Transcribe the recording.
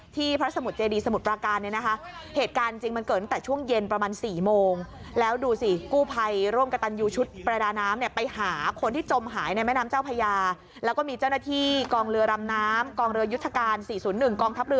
ที่พระสมุทรเจดีสมุทรประการเนี่ยนะคะเหตุการณ์จริงมันเกิดตั้งแต่ช่วงเย็นประมาณ๔โมง